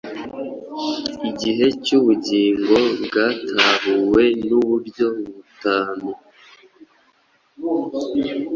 igice cy ubugingo bwatahuwe nuburyo butanu,